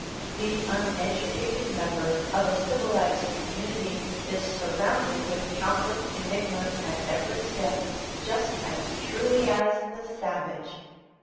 The uneducated member of a civilized community is surrounded with countless enigmas at every step, just as truly as the savage.